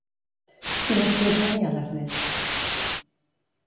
Quin estil tenia l'Ernest?